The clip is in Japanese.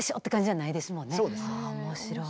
あ面白い。